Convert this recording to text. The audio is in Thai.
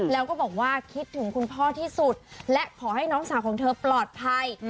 แล้วก็บอกว่าคิดถึงคุณพ่อที่สุดและขอให้น้องสาวของเธอปลอดภัย